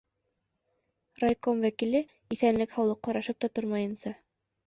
Райком вәкиле иҫәнлек-һаулыҡ һорашып та тормайынса: